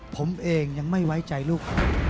ผมเองยังไม่ไว้ใจลูก